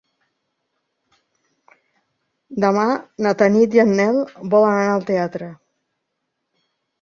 Demà na Tanit i en Nel volen anar al teatre.